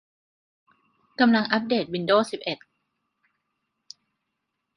กำลังอัปเดตวินโดวส์สิบเอ็ด